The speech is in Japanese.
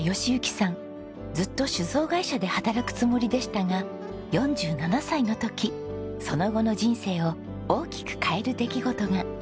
ずっと酒造会社で働くつもりでしたが４７歳の時その後の人生を大きく変える出来事が。